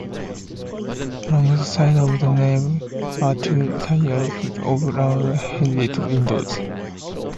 Along the sides of the nave are two tiers of round-headed windows.